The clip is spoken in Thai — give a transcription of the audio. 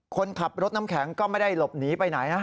คนขับรถน้ำแข็งก็ไม่ได้หลบหนีไปไหนนะ